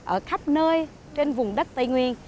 ở khắp nơi trên vùng đất tây nguyên